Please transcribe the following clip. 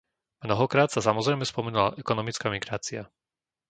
Mnohokrát sa samozrejme spomenula ekonomická migrácia.